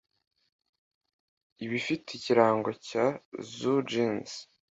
iba ifite ikirango cya Zoo Jeans